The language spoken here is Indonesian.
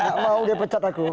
gak mau dia pecat aku